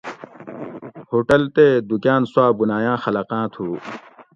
ہوٹل تے دکاۤن سوآ بھنایاۤں خلقاۤں تھو